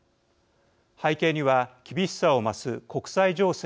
背景には厳しさを増す国際情勢があります。